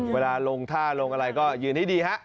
เวลาลงท่าลงอะไรก็ยืนให้ดีฮะ